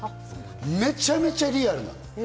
めちゃめちゃリアルなの。